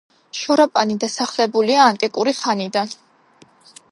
შორაპანი დასახლებულია ანტიკური ხანიდან.